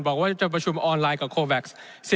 บอกว่าจะประชุมออนไลน์กับโคแว็กซ์